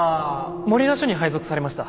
守名署に配属されました。